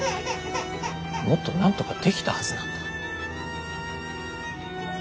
もっとなんとかできたはずなんだ。